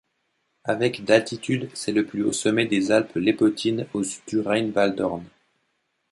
Avec d'altitude c'est le plus haut sommet des Alpes lépontines au sud du Rheinwaldhorn.